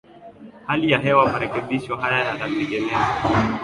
hali ya hewa Marekebisho haya yanatengenezwa